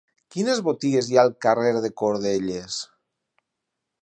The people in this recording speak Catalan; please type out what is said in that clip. Quines botigues hi ha al carrer de Cordelles?